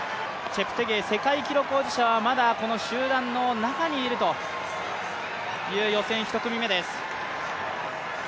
チェプテゲイ、世界記録保持者はまだこの集団の中にいるという予選１組目です。